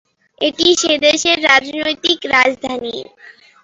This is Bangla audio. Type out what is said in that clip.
এটি সেদেশের রাজনৈতিক রাজধানী।